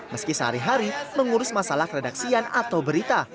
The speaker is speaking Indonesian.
meski sehari hari mengurus masalah redaksian atau berita